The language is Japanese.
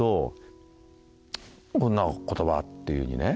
「こんな言葉」っていうふうにね。